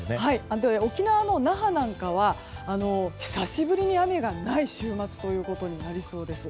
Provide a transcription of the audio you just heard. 沖縄も那覇なんかは久しぶりに雨がない週末となりそうです。